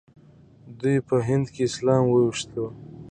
دوی په هند کې اسلام وويشلو.